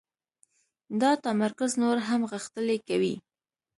دا تمرکز نور هم غښتلی کوي.